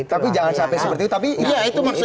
tapi jangan sampai seperti itu